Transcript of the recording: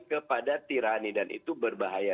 kepada tirani dan itu berbahaya